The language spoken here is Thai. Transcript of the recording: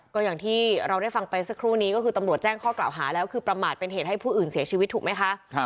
ก็อย่างที่เราได้ฟังไปสักครู่นี้ก็คือตำรวจแจ้งข้อกล่าวหาแล้วคือประมาทเป็นเหตุให้ผู้อื่นเสียชีวิตถูกไหมคะ